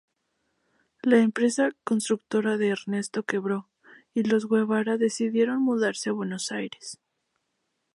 La empresa constructora de Ernesto quebró, y los Guevara decidieron mudarse a Buenos Aires.